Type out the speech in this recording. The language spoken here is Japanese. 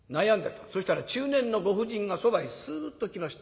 そしたら中年のご婦人がそばへスッと来ました。